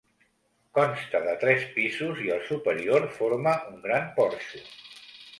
Consta de tres pisos i el superior forma un gran porxo.